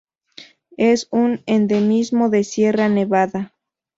Es un endemismo de Sierra Nevada.